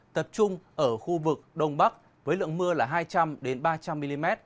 tập trung ở khu vực đông bắc với lượng mưa là hai trăm linh ba trăm linh mm